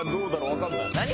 わかんない。